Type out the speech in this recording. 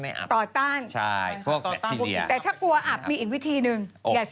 แต่ถ้ากลัวอับมีอีกวิธีหนึ่ง